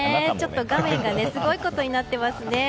画面がすごいことになってますね。